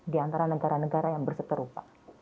di antara negara negara yang berseterupa